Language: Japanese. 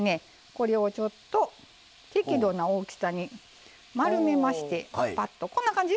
これをちょっと適度な大きさに丸めましてパッとこんな感じ？